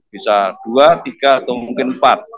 bisa dua tiga atau mungkin empat